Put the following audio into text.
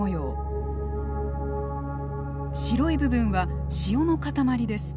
白い部分は塩の塊です。